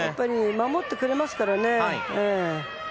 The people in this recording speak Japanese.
守ってくれますからね。